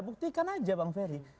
buktikan aja bang ferry